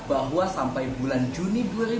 bahwa sampai bulan juni dua ribu dua puluh